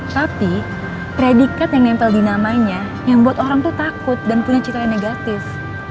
tapi predikat yang nempel di namanya yang buat orang tuh takut dan punya cita yang negatif